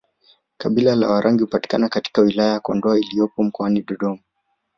Kabila la Warangi hupatikana katika wilaya ya Kondoa iliyopo mkoani Dodoma